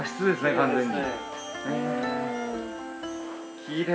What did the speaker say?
完全に。